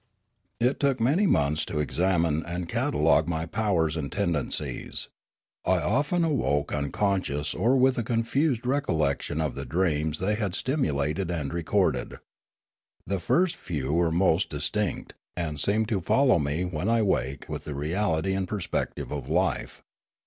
It took many months to examine and catalogue my powers and tendencies. I often awoke unconscious or with a confused recollection of the dreams they had stimulated and recorded. The first few were most dis tinct, and seemed to follow me when I waked with the reality and perspective of life.